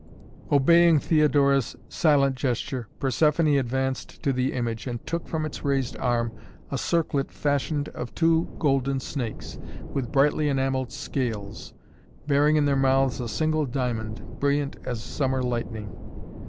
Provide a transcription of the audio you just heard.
Obeying Theodora's silent gesture, Persephoné advanced to the image and took from its raised arm a circlet fashioned of two golden snakes with brightly enamelled scales, bearing in their mouths a single diamond, brilliant as summer lightning.